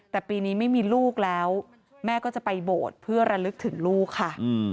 แต่ปีนี้ไม่มีลูกแล้วแม่ก็จะไปโบสถ์เพื่อระลึกถึงลูกค่ะ